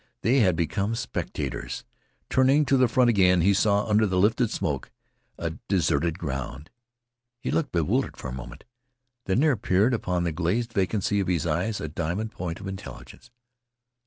They had become spectators. Turning to the front again he saw, under the lifted smoke, a deserted ground. He looked bewildered for a moment. Then there appeared upon the glazed vacancy of his eyes a diamond point of intelligence.